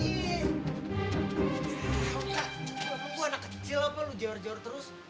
lo tuh anak kecil apa lo jawar jawar terus